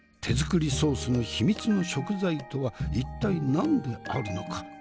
手作りソースの秘密の食材とは一体何であるのか？